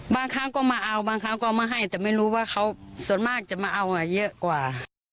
บางครั้งก็มาเอาบางครั้งก็เอามาให้แต่ไม่รู้ว่าเขาส่วนมากจะมาเอาเยอะกว่า